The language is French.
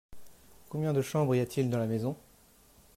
Combien de chambres y a-t-il dans la maison ?